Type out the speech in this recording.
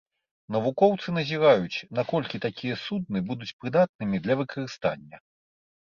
Навукоўцы назіраюць, наколькі такія судны будуць прыдатнымі для выкарыстання.